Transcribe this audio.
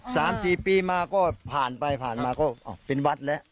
สามสี่ปีมาก็ผ่านไปผ่านมาก็เป็นวัดแล้ว